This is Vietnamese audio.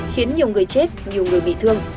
khiến nhiều người chết nhiều người bị thương